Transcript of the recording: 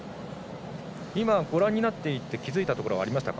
今、ご覧になっていて気付いたところありましたか？